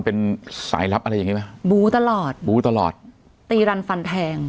เป็นสายลับอะไรอย่างงี้ไหมบูตลอดบูตลอดตีรันฟันแทง